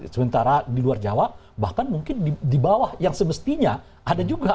sementara di luar jawa bahkan mungkin di bawah yang semestinya ada juga